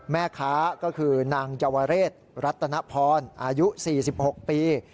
แม่ค้าก็คือนางเยาวเรศรัตนพรอายุ๔๖ปี